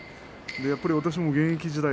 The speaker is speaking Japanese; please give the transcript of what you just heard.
やっぱり私も現役時代